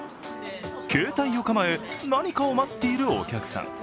携帯を構え何かを待っているお客さん。